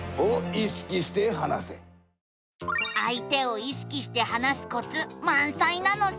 あい手を意識して話すコツまんさいなのさ。